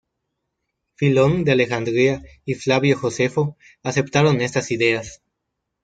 Filón de Alejandría y Flavio Josefo aceptaron estas ideas.